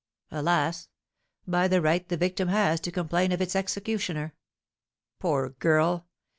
alas, by the right the victim has to complain of its executioner! Poor girl!